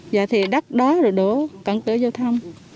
dạ thì đất đó rồi đổ cảnh cửa giao thông